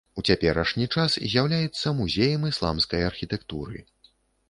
У цяперашні час з'яўляецца музеем ісламскай архітэктуры.